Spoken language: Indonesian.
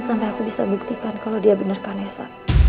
aku bisa buktikan kalau dia benerkan esa